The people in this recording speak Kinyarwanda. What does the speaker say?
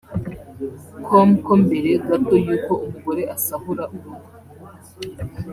com ko mbere gato y’uko umugore asahura urugo